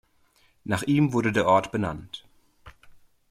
Nach ihm wurde der Ort benannt.